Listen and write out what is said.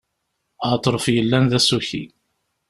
Aḍref yellan d asuki.